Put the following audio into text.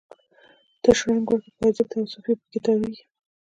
ته شرنګ ورکړي پایزیب ته، او صوفي په کې تاویږي